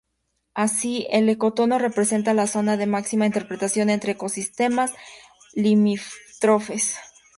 Así, el ecotono representa la zona de máxima interacción entre ecosistemas limítrofes.